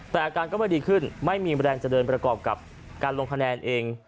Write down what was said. แต่อาการก็ไม่ดีขึ้นไม่มีแรงจะเดินประกอบกับการลงคะแนนเอง